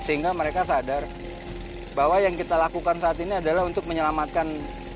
sehingga mereka sadar bahwa yang kita lakukan saat ini adalah untuk menyelamatkan